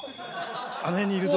あの辺にいるぞ。